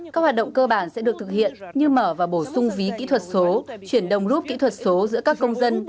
các hoạt động cơ bản sẽ được thực hiện như mở và bổ sung ví kỹ thuật số chuyển đồng rút kỹ thuật số giữa các công dân